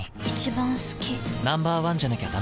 Ｎｏ．１じゃなきゃダメだ。